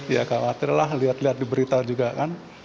ya khawatir lah lihat lihat di berita juga kan